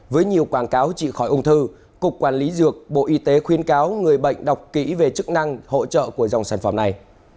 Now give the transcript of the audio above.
với nhiều quảng cáo trị khỏi ung thư cục quản lý dược bộ y tế khuyên cáo người bệnh đọc kỹ về chức năng hỗ trợ của dòng sản phẩm này